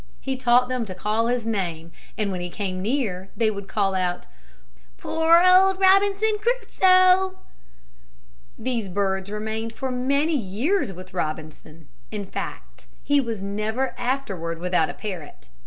He taught them to call his name and when he came near they would call out, "Poor old Robinson Crusoe!" These birds remained for many years with Robinson. In fact, he was never afterward without a parrot.